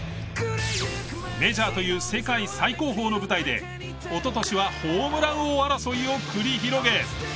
メジャーという世界最高峰の舞台でおととしはホームラン王争いを繰り広げ。